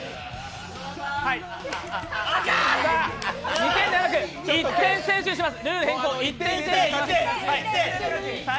２点じゃなく１点先取にします。